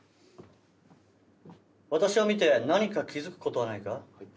私を見て何か気付くことはないか？